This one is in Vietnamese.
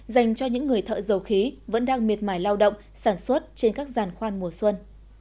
dành cho những người thợ dầu khí vẫn đang miệt mải lao động sản xuất trên các giàn khoan mùa xuân